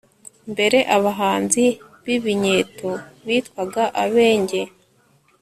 mbere abahanzi b'ibinyeto bitwaga abenge